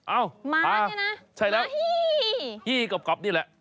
อ้าวม้าม้าฮี่ฮี่กรอบนี่แหละ